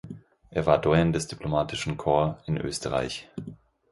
Er war Doyen des Diplomatischen Corps in Österreich.